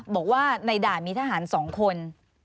บอกว่าในด่านมีทหาร๒คน